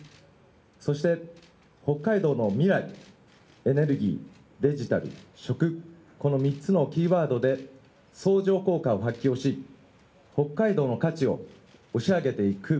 そして、北海道の未来、エネルギー、デジタル、食、この３つのキーワードで相乗効果を発揮をし、北海道の価値を押し上げていく。